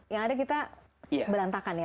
yang ada kita berantakan ya